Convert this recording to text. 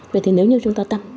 vậy thì nếu như chúng ta tăng